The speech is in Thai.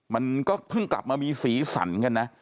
มันก็เพิ่งกลับมามีสีสันกันนะ